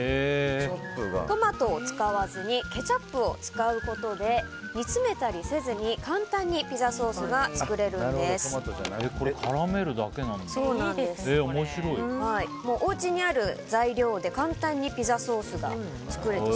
トマトを使わずにケチャップを使うことで煮詰めたりせずに簡単にピザソースが作れるんです。